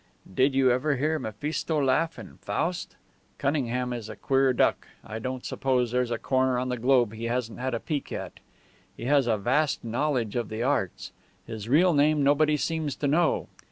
"Did you ever hear Mephisto laugh in Faust? Cunningham is a queer duck. I don't suppose there's a corner on the globe he hasn't had a peek at. He has a vast knowledge of the arts. His real name nobody seems to know.